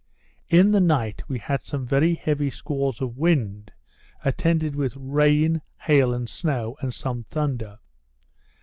In the night we had some very heavy squalls of wind, attended with rain, hail, and snow, and some thunder.